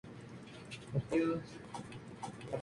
Se encuentra un sendero didáctico destinado a la botánica.